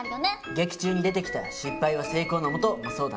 劇中に出てきた「失敗は成功のもと」もそうだね。